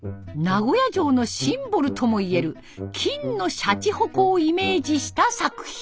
名古屋城のシンボルともいえる金のしゃちほこをイメージした作品。